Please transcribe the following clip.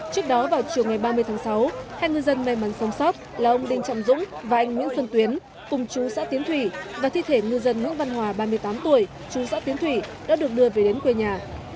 trước đó vào chiều ngày ba mươi tháng sáu hai ngư dân may mắn sống sót là ông đinh trọng dũng và anh nguyễn xuân tuyến cùng chú xã tiến thủy và thi thể ngư dân nguyễn văn hòa ba mươi tám tuổi chú xã tiến thủy đã được đưa về đến quê nhà